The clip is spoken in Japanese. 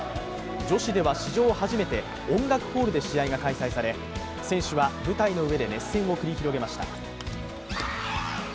女子では史上初めて音楽ホールで試合が開催され選手は舞台の上で熱戦を繰り広げました。